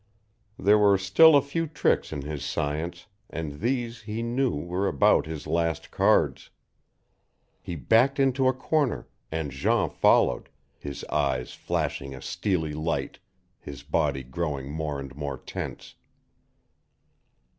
There were still a few tricks in his science, and these, he knew, were about his last cards. He backed into a corner, and Jean followed, his eyes flashing a steely light, his body growing more and more tense.